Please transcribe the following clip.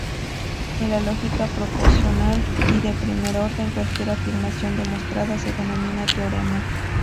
En lógica proposicional y de primer orden, cualquier afirmación demostrada se denomina teorema.